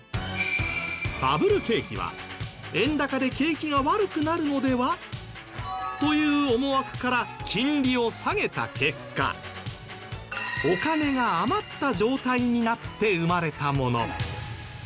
バブル景気は円高で景気が悪くなるのでは？という思惑から金利を下げた結果お金が余った状態になって生まれたもの。